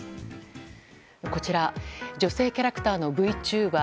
こちら女性キャラクターのＶチューバー。